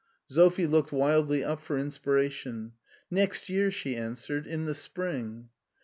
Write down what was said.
Sophie looked wildly up for inspiration. " Next year," she answered, " in the spring."